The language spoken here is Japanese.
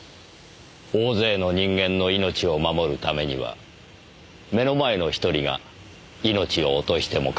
大勢の人間の命を守るためには目の前の１人が命を落としてもかまわない。